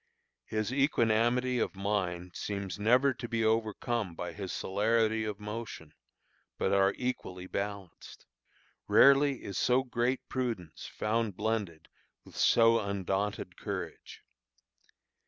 His equanimity of mind seems never to be overcome by his celerity of motion, but are equally balanced. Rarely is so great prudence found blended with so undaunted courage.